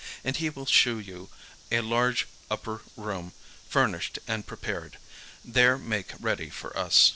"' And he will shew you a large upper room furnished and prepared: there make ready for us."